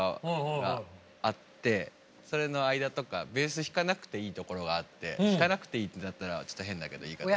それの間とかベース弾かなくていいところがあって弾かなくていいってなったらちょっと変だけど言い方が。